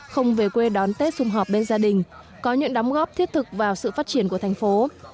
không về quê đón tết xung họp bên gia đình có những đóng góp thiết thực vào sự phát triển của thành phố